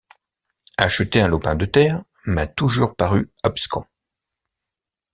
Acheter un lopin de terre m’a toujours paru abscons.